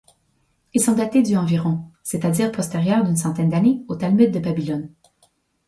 Ils sont datés du environ, c'est-à-dire postérieurs d'une centaine d'années au Talmud de Babylone.